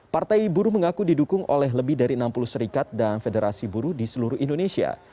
partai buruh mengaku didukung oleh lebih dari enam puluh serikat dan federasi buruh di seluruh indonesia